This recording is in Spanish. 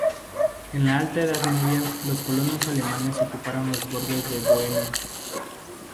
En la alta edad media los colonos alemanes ocuparon los bordes de Bohemia.